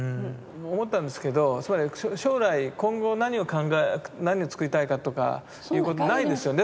思ったんですけどつまり将来今後何を考え何を作りたいかとかいうことないですよね。